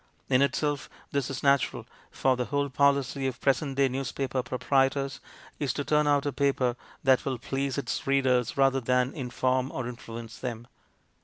In itself this is natural, for the whole policy of present day newspaper proprietors is to turn out a paper that will please its readers rather than in form or influence them.